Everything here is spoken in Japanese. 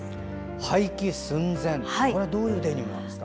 廃棄寸前ってどういうデニムですか？